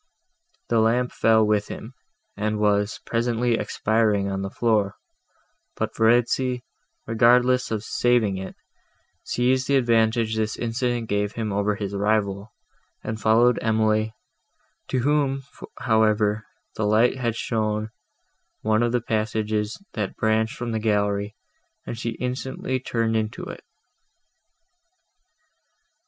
The lamp fell with him, and was presently expiring on the floor; but Verezzi, regardless of saving it, seized the advantage this accident gave him over his rival, and followed Emily, to whom, however, the light had shown one of the passages that branched from the gallery, and she instantly turned into it.